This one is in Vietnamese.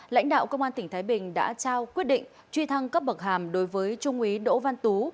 lãnh đạo công an tỉnh thái bình đã trao quyết định truy thăng cấp bậc hàm đối với trung úy đỗ văn tú